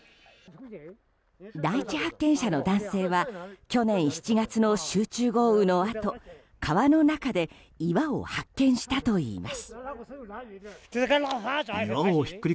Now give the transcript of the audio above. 第１発見者の男性は去年７月の集中豪雨のあと川の中で岩を発見したといいます。